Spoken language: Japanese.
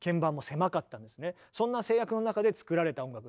そんな制約の中で作られた音楽